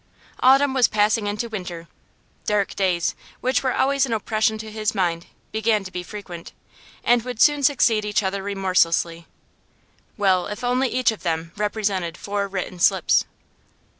Autumn was passing into winter. Dark days, which were always an oppression to his mind, began to be frequent, and would soon succeed each other remorselessly. Well, if only each of them represented four written slips.